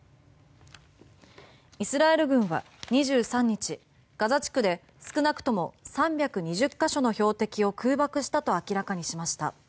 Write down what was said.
イスラエル軍は２３日ガザ地区で少なくとも３２０ヶ所の標的を空爆したと明らかにしました。